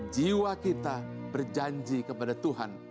jiwa kita berjanji kepada tuhan